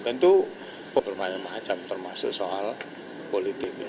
tentu berbanyak macam termasuk soal politik